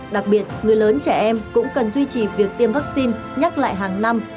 đặc biệt người lớn trẻ em cũng cần duy trì việc tiêm vaccine nhắc lại hàng năm